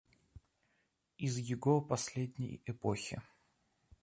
Из его последней эпохи.